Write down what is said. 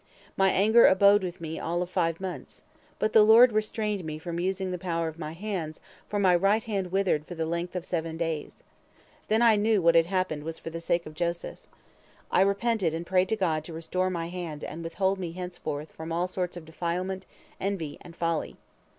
My anger abode with me all of five months. But the Lord restrained me from using the power of my hands, for my right hand withered for the length of seven days. Then I knew that what had happened was for the sake of Joseph. I repented and prayed to God to restore my hand and withhold me henceforth from all sorts of defilement, envy, and folly.